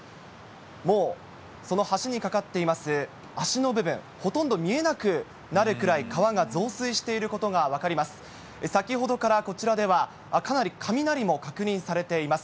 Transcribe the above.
もう、その橋に架かっています脚の部分、ほとんど見えなくなるくらい、川が増水していることが分かります。